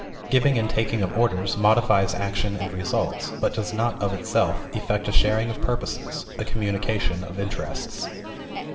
Giving and taking of orders modifies action and results, but does not of itself effect a sharing of purposes, a communication of interests.